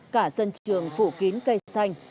cả sân trường phủ kín cây xanh